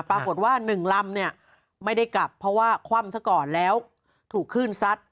ปรากฏว่าหนึ่งลำเนี่ยไม่ได้กลับเพราะว่าคว่ำซะก่อนแล้วถูกคลื่นซัด